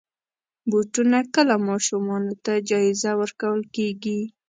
بوټونه کله ماشومانو ته جایزه ورکول کېږي.